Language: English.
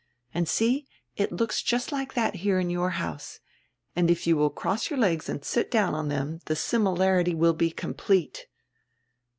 And see, it looks just like that here in your house, and if you will cross your legs and sit down on them the similarity will be complete."